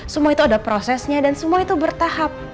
semua itu ada prosesnya dan semua itu bertahap